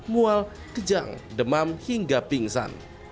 mual kejang demam hingga pingsan